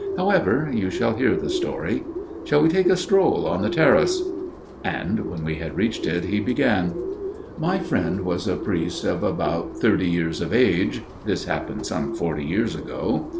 However, you shall hear the story. Shall we take a stroll on the terrace?" And when we had reached it, he began: "My friend was a priest of about thirty years of age (this happened some forty years ago).